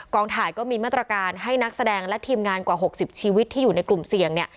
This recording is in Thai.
ถ่ายก็มีมาตรการให้นักแสดงและทีมงานกว่า๖๐ชีวิตที่อยู่ในกลุ่มเสี่ยงเนี่ย